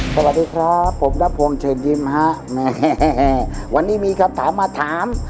สวัสดีครับผมนพงศ์เชิญยิ้มฮะแม่วันนี้มีคำถามมาถาม